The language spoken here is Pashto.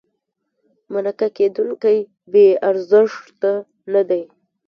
مرکه کېدونکی بې ارزښته نه دی.